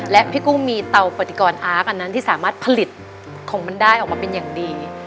และพี่กุ้งมีเตาปฏิกรอาร์ตอันนั้นที่สามารถผลิตของมันได้ออกมาเป็นอย่างดี